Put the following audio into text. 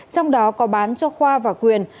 trong đó có bán cho khoa và quyền